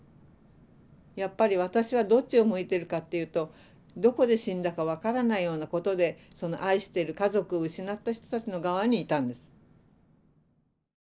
やっぱり私はどっちを向いてるかっていうとどこで死んだか分からないようなことでその愛している家族を失った人たちの側にいたんです。